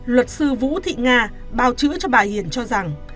luật sư vũ thị nga bao chữ cho bà hiền cho rằng